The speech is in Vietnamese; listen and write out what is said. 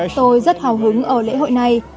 tôi rất hào hứng ở lễ hội này